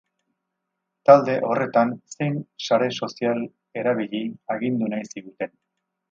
Talde horretan zein sare sozial erabili agindu nahi ziguten.